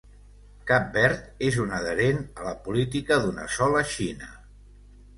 Cap Verd és un adherent ala política d'una sola Xina.